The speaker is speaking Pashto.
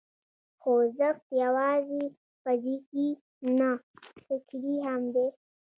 خوځښت یوازې فزیکي نه، فکري هم دی.